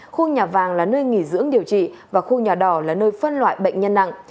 khu nhà vàng là nơi nghỉ dưỡng điều trị và khu nhà đỏ là nơi phân loại bệnh nhân nặng